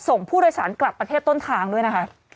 ส่งผู้โดยสารกลับประเทศต้นทางด้วยนะคะ